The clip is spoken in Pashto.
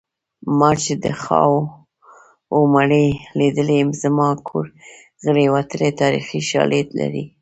ما چې د خاوو مړي لیدلي زما کور غړي وتلي تاریخي شالید لري